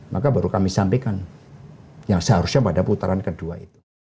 maka baru kami sampaikan yang seharusnya pada putaran kedua itu